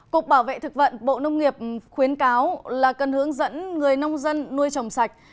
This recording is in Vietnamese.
cục bảo vệ thực vận bộ nông nghiệp khuyến cáo là cần hướng dẫn người nông dân nuôi trồng sạch